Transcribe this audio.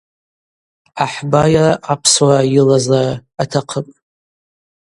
Ахӏба йара Апсуара йылазара атахъыпӏ.